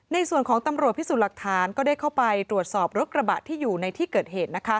ในส่วนของตำรวจพิสูจน์หลักฐานก็ได้เข้าไปตรวจสอบรถกระบะที่อยู่ในที่เกิดเหตุ